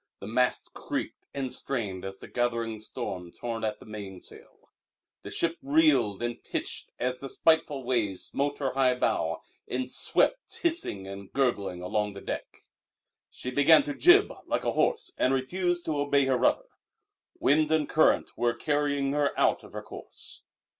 The mast creaked and strained as the gathering storm tore at the mainsail. The ship reeled and pitched as the spiteful waves smote her high bow and swept hissing and gurgling along the deck. She began to jib like a horse and refused to obey her rudder. Wind and current were carrying her out of her course.